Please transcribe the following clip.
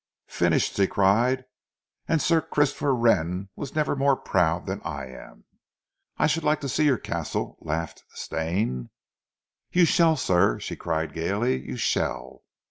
"Finished," she cried, "and Sir Christopher Wren was never more proud than I am." "I should like to see your castle," laughed Stane. "You shall, sir," she cried gaily. "You shall.